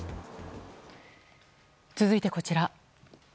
続いて、こちら。